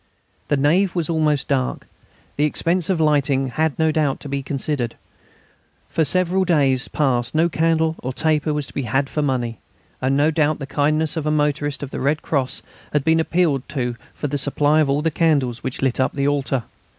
The nave was almost dark. The expense of lighting, had no doubt to be considered, for for several days past no candle or taper was to be had for money. And no doubt the kindness of a motorist of the Red Cross had been appealed to for the supply of all the candles which lit up the altar.